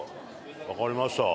わかりました。